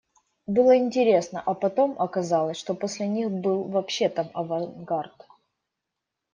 Было интересно, а потом оказалось, что после них был вообще там авангард.